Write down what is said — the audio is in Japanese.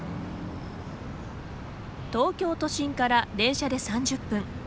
東京都心から電車で３０分。